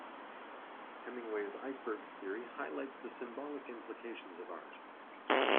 Hemingway's iceberg theory highlights the symbolic implications of art.